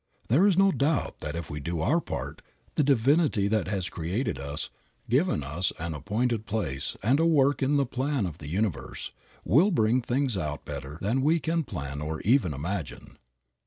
There is no doubt that if we do our part, the Divinity that has created us, given us an appointed place and a work in the plan of the universe, will bring things out better than we can plan or even imagine.